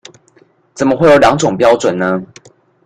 怎麼會有兩種標準呢？